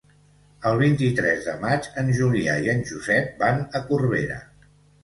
El vint-i-tres de maig en Julià i en Josep van a Corbera.